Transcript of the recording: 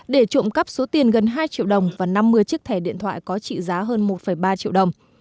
để trộm cắp số tiền gần hai triệu đồng và năm mươi chiếc thẻ điện thoại có trị giá hơn một ba triệu đồng